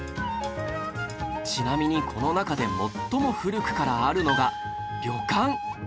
ちなみにこの中で最も古くからあるのが旅館